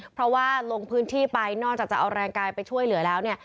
เพราะว่าลงพื้นที่ไปนอกจากจะเอาแรงกายไปช่วยเหลือแล้วเนี่ย